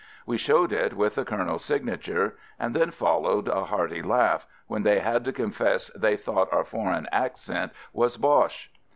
We showed it with the Colonel's signature, and then followed a hearty laugh — when they had to confess they thought our foreign accent was Boche!